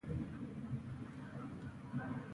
هوا مه ککړوه.